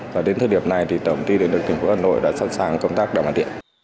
và đến thời điểm này tổng tiền lực thành phố hà nội đã sẵn sàng công tác đồng hành điện